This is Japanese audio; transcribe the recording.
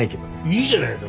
いいじゃないか。